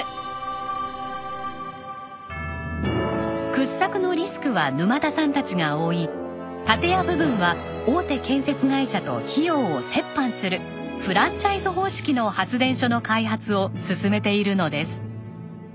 掘削のリスクは沼田さんたちが負い建屋部分は大手建設会社と費用を折半するフランチャイズ方式の発電所の開発を進めているのです。